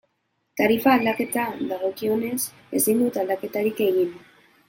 Tarifa aldaketa dagokionez, ezin dut aldaketarik egin.